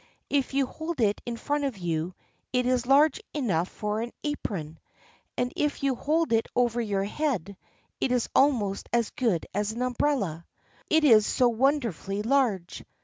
If you hold it in front of you, it is large enough for an apron; and if you hold it over your head, it is almost as good as an umbrella, it is so wonderfully large.